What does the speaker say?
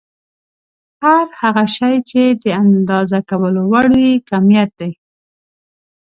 هر هغه شی چې د اندازه کولو وړ وي کميت دی.